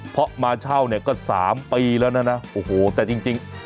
เพราะมาเช่าเนี่ยก็๓ปีแล้วนะนะโอ้โหแต่จริง